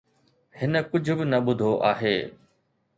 هن ڪجهه به نه ٻڌو آهي.